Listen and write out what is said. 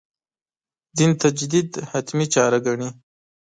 دین تجدید «حتمي» چاره ګڼي.